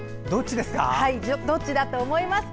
どっちだと思いますか？